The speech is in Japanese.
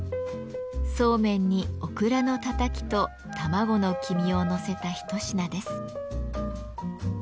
そうめんにオクラのたたきと卵の黄身をのせた一品です。